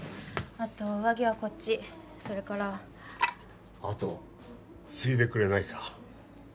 あと上着はこっちそれから後を継いでくれないか